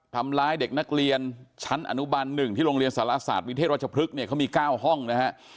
ทำร้ายเด็กนักเรียนชั้นอนุบัน๑ที่โรงเรียนสารศาสตร์วิเทศรัชพฤกษเนี่ยเขามี๙ห้องนะฮะ